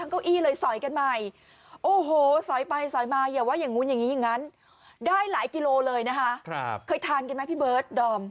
เคยทานกินไหมพี่เบอร์ชดอม